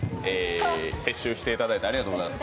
撤収していただいてありがとうございます。